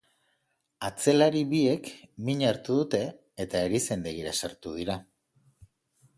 Atzelari biek min hartu dute eta erizaindegira sartu dira.